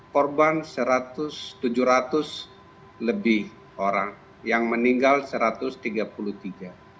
korban seratus tujuh ratus lebih orang yang meninggal seratus tiga puluh tiga